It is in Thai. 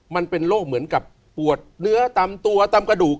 มันเป็นโรคเหมือนกับปวดเนื้อตามตัวตามกระดูก